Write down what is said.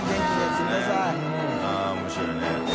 面白いね。